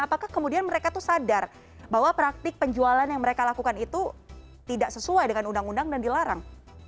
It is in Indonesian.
apakah kemudian mereka itu sadar bahwa praktik penjualan yang mereka lakukan itu tidak sesuai dengan undang undang dan dilarang